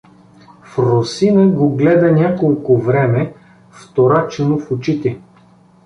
Фросина го гледа няколко време вторачено в очите.